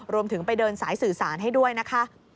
รวมถึงไปเดินสายสื่อสารให้ด้วยนะคะ